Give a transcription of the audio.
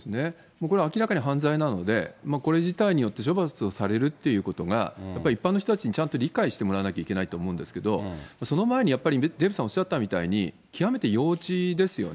これは明らかに犯罪なので、これ自体によって処罰をされるってことが、やっぱり一般の人たちにちゃんと理解してもらわなきゃいけないと思うんですけど、その前にやっぱり、デーブさんがおっしゃったみたいに、極めて幼稚ですよね。